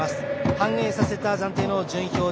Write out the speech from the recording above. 反映させた暫定の順位表。